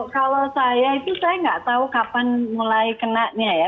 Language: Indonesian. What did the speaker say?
kalau saya itu saya nggak tahu kapan mulai kenanya ya